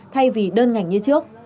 thay vì đơn ngành như trước